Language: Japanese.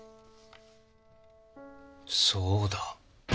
そうだ。